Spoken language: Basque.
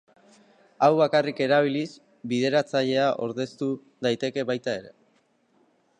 Hau bakarrik erabiliz, bideratzailea ordeztu daiteke baita ere.